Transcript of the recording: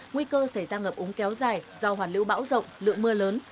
nguy cơ xảy ra ngập úng kéo dài do hoàn lưu bão rộng lượng mưa lớn